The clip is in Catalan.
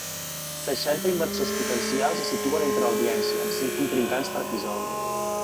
Seixanta inversors potencials es situen entre l'audiència, amb cinc contrincants per episodi.